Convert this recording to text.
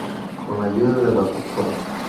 Con la ayuda de la Dra.